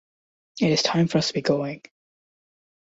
It is time for us to be going.